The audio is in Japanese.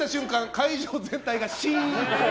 会場全体がシーン。